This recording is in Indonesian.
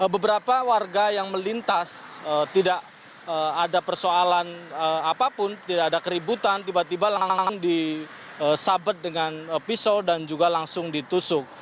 beberapa warga yang melintas tidak ada persoalan apapun tidak ada keributan tiba tiba langsung disabet dengan pisau dan juga langsung ditusuk